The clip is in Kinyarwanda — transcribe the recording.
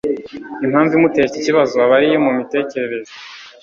impamvu imutera iki kibazo aba ari iyo mu mitekerereze